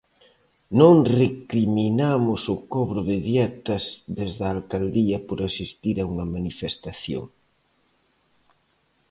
Non recriminamos o cobro de dietas desde a alcaldía por asistir a unha manifestación.